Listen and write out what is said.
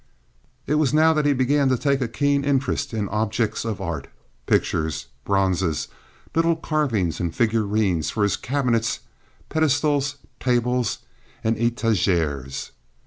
It was now that he began to take a keen interest in objects of art, pictures, bronzes, little carvings and figurines, for his cabinets, pedestals, tables, and etageres.